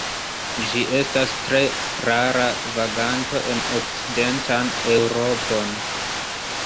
Ĝi estas tre rara vaganto en okcidentan Eŭropon.